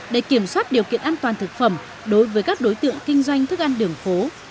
để kiểm soát điều kiện an toàn thực phẩm đối với các đối tượng kinh doanh thức ăn đường phố